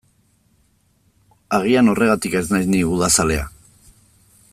Agian horregatik ez naiz ni udazalea.